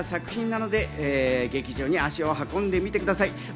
すてきな作品なので、劇場に足を運んでみてください。